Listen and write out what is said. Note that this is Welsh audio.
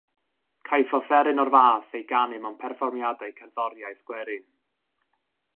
Caiff offeryn o'r fath ei ganu mewn perfformiadau cerddoriaeth gwerin.